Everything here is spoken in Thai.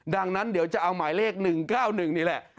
ดังนั้นเดี๋ยวจะเอาหมายเลข๑๙๑นี่แหละ